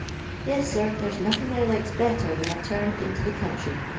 Yes, sir, there 's nothing I likes better than a turn into the country.